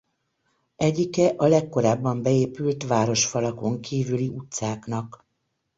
Egyike a legkorábban beépült városfalakon kívüli utcáknak.